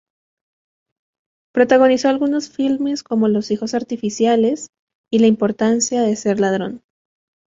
Protagonizó algunos filmes como "Los hijos artificiales" y "La importancia de ser ladrón".